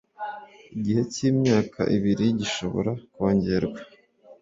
igihe cy imyaka ibiri gishobora kongerwa